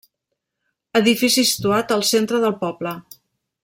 Edifici situat al centre del poble.